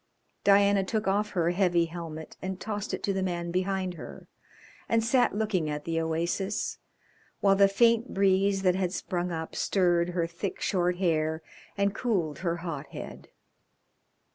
Diana took off her heavy helmet and tossed it to the man behind her, and sat looking at the oasis, while the faint breeze that had sprung up stirred her thick, short hair, and cooled her hot head.